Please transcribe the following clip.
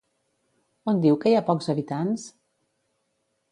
On diu que hi ha pocs habitants?